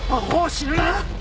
死ぬな。